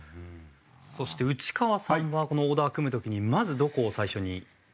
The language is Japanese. そして内川さんはこのオーダーを組む時にまずどこを最初に考えていきましたか？